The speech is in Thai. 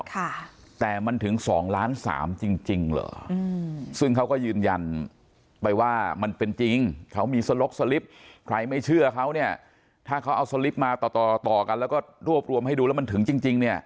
ค่ะแต่มันถึงสองล้านสามจริงจริงหรอ